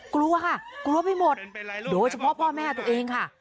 กลัวค่ะกลัวไปหมดโดยเฉพาะพ่อแม่ตัวเองค่ะ